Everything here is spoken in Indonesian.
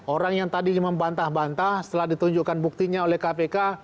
orang yang tadi membantah bantah setelah ditunjukkan buktinya oleh kpk